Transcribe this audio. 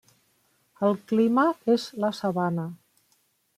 El clima és la sabana.